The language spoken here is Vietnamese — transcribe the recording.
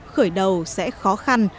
khởi đầu sẽ khó khăn